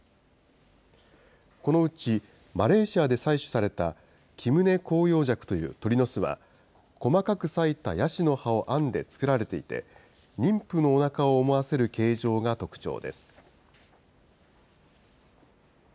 このうちマレーシアで採取された、キムネコウヨウジャクという鳥の巣は、細かく裂いたヤシの葉を編んで作られていて、妊婦のおなかを思わせる形状が特徴です。